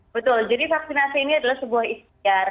betul jadi vaksinasi ini adalah sebuah istiar